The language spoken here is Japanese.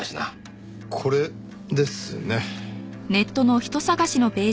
これですね。